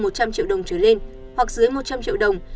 một trăm linh triệu đồng trở lên hoặc dưới một trăm linh triệu đồng